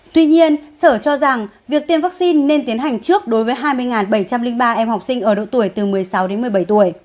tuy nhiên sở cho rằng việc tiêm vaccine nên tiến hành trước đối với hai mươi bảy trăm linh ba em học sinh ở độ tuổi từ một mươi sáu đến một mươi bảy tuổi